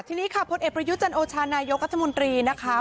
ทีนี้ครับพเอประยุทธ์จันโอชาญนายกรัฐมนตรีนะคะ